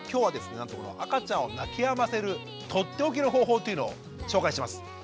なんとこの赤ちゃんを泣きやませるとっておきの方法っていうのを紹介します。